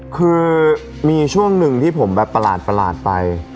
คือมีช่วงนึงนึงที่ผมแบบประหลาดประหลาดไป